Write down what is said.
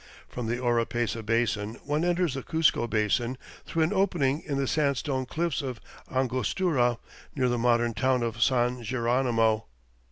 From the Oropesa Basin, one enters the Cuzco Basin through an opening in the sandstone cliffs of Angostura near the modern town of San Geronimo.